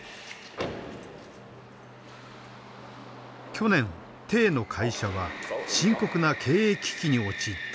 去年の会社は深刻な経営危機に陥った。